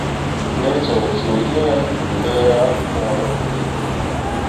Ne cok cuu hĩĩ, dǝwe ah puura puli.